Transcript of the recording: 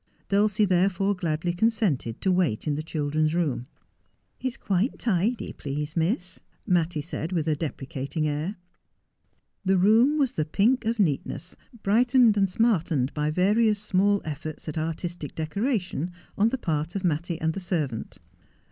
Dulcie therefore gladly consented to wait in the children's room. ' It's quite tidy, please, Miss,' Mattie said with a deprecating air. The room was the pink of neatness, brightened and smartened by various small efforts at artistic decoration on the part of Mattie and the servant.